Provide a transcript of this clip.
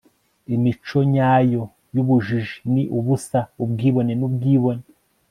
imico nyayo y'ubujiji ni ubusa, ubwibone n'ubwibone